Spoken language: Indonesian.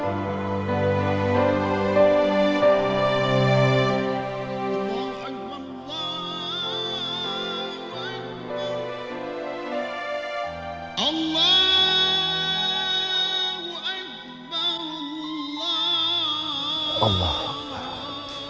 assalamualaikum warahmatullahi wabarakatuh